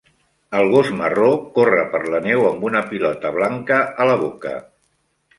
El gos marró corre per la neu amb una pilota blanca a la boca.